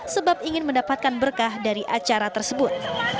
sebab ingin mendapatkan berkah dari acara tersebut